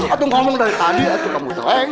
aduh ngomong dari tadi aduh kamu leng